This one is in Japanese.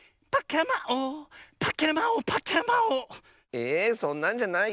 えそんなんじゃないよ。